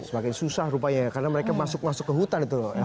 semakin susah rupanya ya karena mereka masuk masuk ke hutan itu